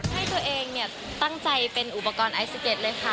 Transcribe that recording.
ให้ตัวเองเนี่ยตั้งใจเป็นอุปกรณ์ไอซิเก็ตเลยค่ะ